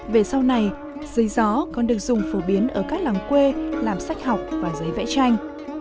về sau này giấy gió còn được dùng phổ biến ở các làng quê làm sách học và giấy vẽ tranh